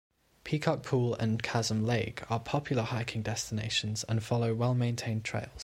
Peacock Pool and Chasm Lake are popular hiking destinations and follow well-maintained trails.